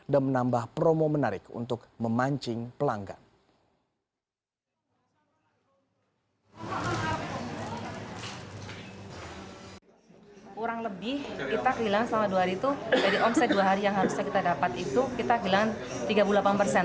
dan mencari kemampuan untuk mencapai kemampuan